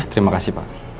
terima kasih pak